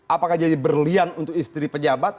apakah jadi berlian untuk istri pejabat